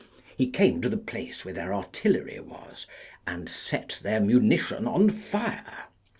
He came to the place where their artillery was, and set their munition on fire.